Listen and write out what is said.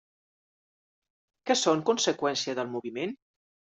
Que són conseqüència del moviment?